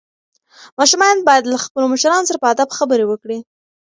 ماشومان باید له خپلو مشرانو سره په ادب خبرې وکړي.